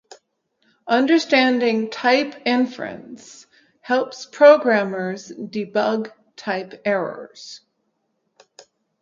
Understanding type inference helps programmers debug type errors